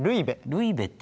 ルイベ。